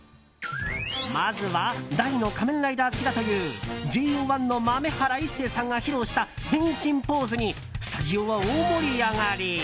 まずは大の「仮面ライダー」好きだというＪＯ１の豆原一成さんが披露した変身ポーズにスタジオは大盛り上がり！